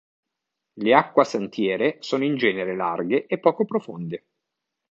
Le acquasantiere sono in genere larghe e poco profonde.